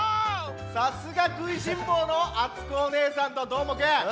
さすがくいしんぼうのあつこおねえさんとどーもくん！